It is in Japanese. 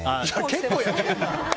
結構やってるな。